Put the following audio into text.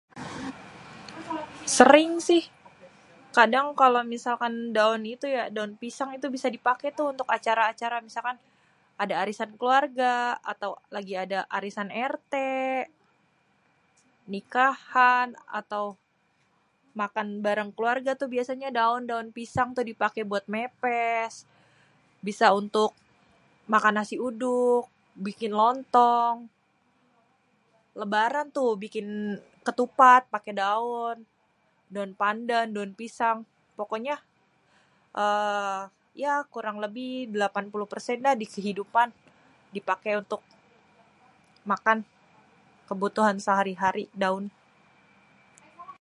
sering sih, kadang ya kalo misal daon itu ya daon pisang itu bisa dipaké tuh untuk acara-acara, misalkan ada arisan keluarga, atau lagi ada arisan RT, nikahan atau makan bareng keluarga tuh misal daon daon pisang tuh dipaké buat mépés, bisa untuk makan nasi uduk, bikin lontong, lebaran tuh bikin ketupat paké daon, daon pandan, daon pisang pokonye êê ya kurang lebih 80% déh di kehidupan dipake untuk, makan kebutuhan sehari-hari daon.